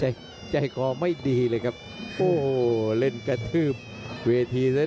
พยายามจะไถ่หน้านี่ครับการต้องเตือนเลยครับ